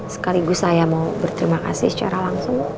sekaligus saya mau berterima kasih secara langsung